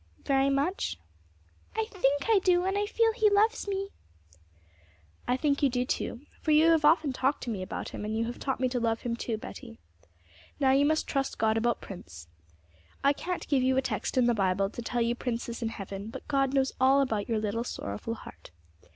'Very much?' 'I think I do, and I feel He loves me.' 'I think you do too, for you have often talked to me about Him, and you have taught me to love Him too, Betty. Now you must trust God about Prince. I can't give you a text in the Bible to tell you Prince is in heaven, but God knows all about your little sorrowful heart.